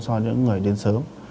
so với những người đến sớm